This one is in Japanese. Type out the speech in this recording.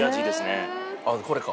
ああこれか。